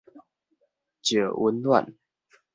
石溫暖